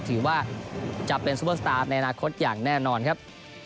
ถือว่าจะเป็นซูเปอร์สตาร์ฟในอนาคตอย่างแน่นอนครับ